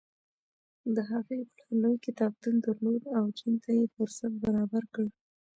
د هغې پلار لوی کتابتون درلود او جین ته یې فرصت برابر کړ.